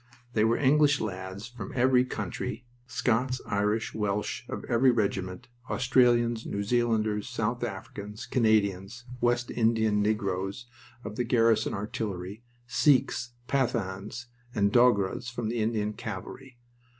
They were English lads from every country; Scots, Irish, Welsh, of every regiment; Australians, New Zealanders, South Africans, Canadians, West Indian negroes of the Garrison Artillery; Sikhs, Pathans, and Dogras of the Indian Cavalry.